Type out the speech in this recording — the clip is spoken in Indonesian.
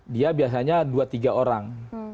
dia biasanya dua tiga orang